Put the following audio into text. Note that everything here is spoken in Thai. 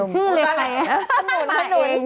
ปะที่อ่านชื่อเลยนะถนนมาเอง